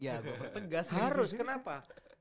ya gue pertengah sih harus kenapa